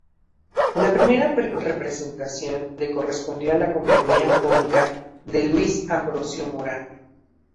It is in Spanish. La primera representación le correspondió a la Compañía Cómica de Luis Ambrosio Morante.